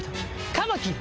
カマキリ。